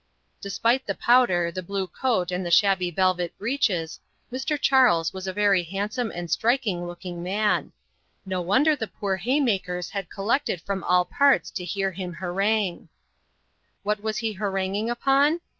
Despite the powder, the blue coat, and the shabby velvet breeches, Mr. Charles was a very handsome and striking looking man. No wonder the poor hay makers had collected from all parts to hear him harangue. What was he haranguing upon?